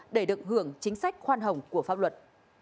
để được hưởng chính sách khoan hồng của pháp luật